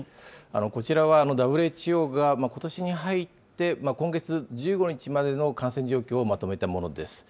こちらは、ＷＨＯがことしに入って、今月１５日までの感染状況をまとめたものです。